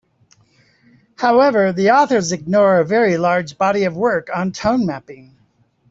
However, the authors ignore a very large body of work on tone mapping.